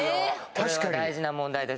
これは大事な問題です